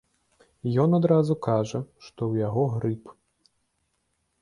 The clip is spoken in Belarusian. Ён адразу кажа, што ў яго грып.